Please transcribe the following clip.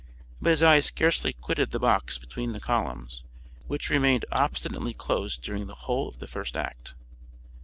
But his eyes scarcely quitted the box between the columns, which remained obstinately closed during the whole of the first act.